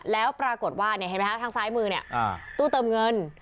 แล้วปรากฏว่าเห็นไหมคะทางซ้ายมือเนี่ยตู้เติมเงิน